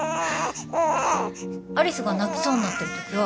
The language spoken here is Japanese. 有栖が泣きそうになってる時は